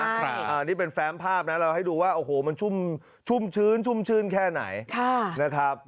อันนี้เป็นแฟมภาพนะเราให้ดูว่าโอ้โหมันชุ่มชื้นชุ่มชื่นแค่ไหนนะครับ